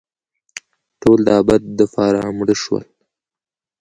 ټول دابد دپاره مړه شوله